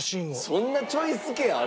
そんなチョイス権ある？